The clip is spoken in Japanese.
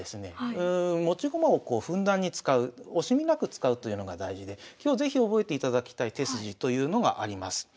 持ち駒をこうふんだんに使う惜しみなく使うというのが大事で今日是非覚えていただきたい手筋というのがあります。